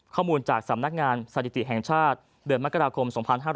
ข้อมูลจากสำนักงานสถิติแห่งชาติเดือนมกราคม๒๕๕๙